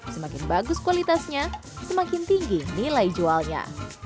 semakin bagus kualitasnya semakin tinggi nilai jualnya